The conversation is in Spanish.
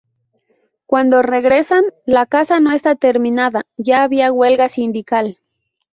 Cuando regresan, la casa no está terminada, ya había huelga sindical.